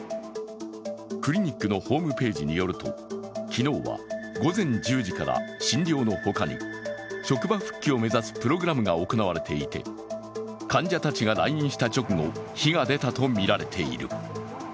クリニックのホームページによると、昨日は午前１０時から診療の他に職場復帰を目指すプログラムが行われていて患者たちが来院した直後火が出たとみられている。